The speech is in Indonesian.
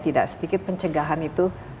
tidak sedikit pencegahan itu